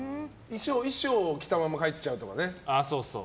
衣装を着たまま帰っちゃうとかね。